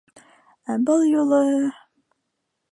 Ә был юлы...